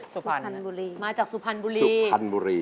สุภัณฑ์บุรีสุภัณฑ์บุรีสุภัณฑ์บุรีมาจากสุภัณฑ์บุรี